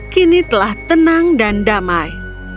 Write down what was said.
kini telah tenang dan damai